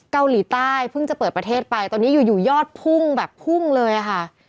เกาหลีใต้เพิ่งจะเปิดประเทศไปตอนนี้อยู่อยู่ยอดพุ่งแบบพุ่งเลยค่ะ